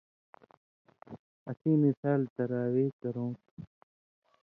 اسیں مِثال تراویح کرؤں تُھوْ۔